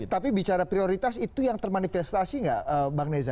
tapi bicara prioritas itu yang termanifestasi nggak bang neza